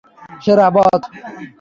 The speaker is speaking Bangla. সেরা, বস!